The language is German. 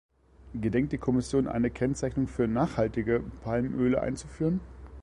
Gedenkt die Kommission eine Kennzeichnung für "nachhaltige" Palmöle einzuführen?